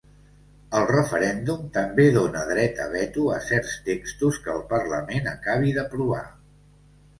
El referèndum també dóna dret a veto a certs textos que el Parlament acabi d'aprovar.